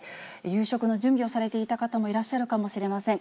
夕食の準備をされていた方もいらっしゃるかもしれません。